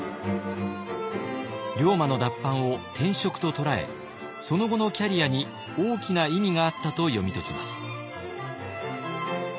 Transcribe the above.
龍馬の脱藩を転職と捉えその後のキャリアに大きな意味があったと読み解きます。